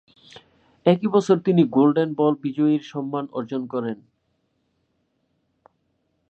একই বছর তিনি গোল্ডেন বল বিজয়ীর সম্মান অর্জন করেন।